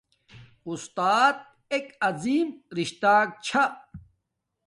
اُستات ایک عظم رشتاک چھا